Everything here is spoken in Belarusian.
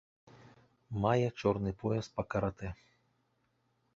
Мае чорны пояс па каратэ.